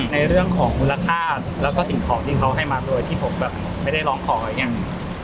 ในเรื่องของมูลค่าแล้วก็สิ่งของที่เขาให้มาโดยที่ผมแบบไม่ได้ร้องขออะไรอย่างนี้